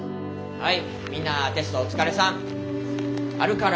はい。